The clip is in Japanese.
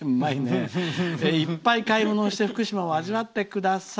いっぱい買い物をして福島を味わってください。